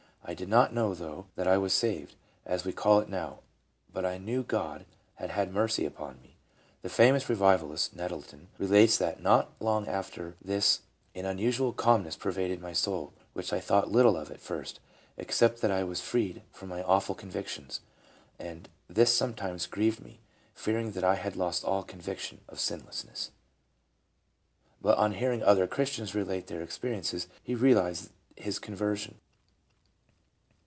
I did not know, though, that I was saved, as we call it now ; but I knew God had had mercy upon me." The famous revivalist, Nettleton, relates that "not long after this an unusual calmness pervaded my soul, which I thought little of at first, except that I was freed from my awful convictions, and this sometimes grieved me, fearing that I had lost all conviction [of sinfulness]." But on hearing other Christians relate their experiences, he realized his conversion.